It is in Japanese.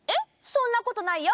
そんなことないよ！